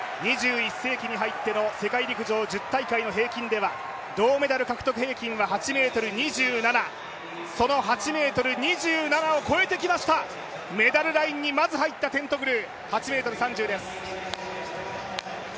２１世紀に入っての世界陸上１０大会の平均では銅メダル獲得平均は８ｍ２７、その８ｍ２７を越えてきました、メダルラインにまず入ったテントグル、８ｍ３０です。